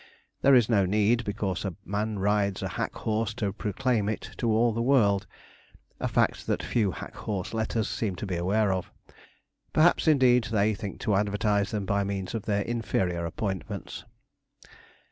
There is no need because a man rides a hack horse to proclaim it to all the world; a fact that few hack horse letters seem to be aware of. Perhaps, indeed, they think to advertise them by means of their inferior appointments.